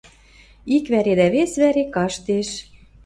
Ик вӓре дӓ вес вӓре каштеш.